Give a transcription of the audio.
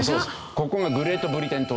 ここがグレートブリテン島です。